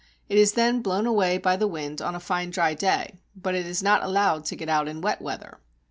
It is then blown away by the wind on a fine dry day, but it is not allowed to get out in wet weather.